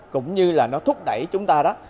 cũng như là nó thúc đẩy chúng ta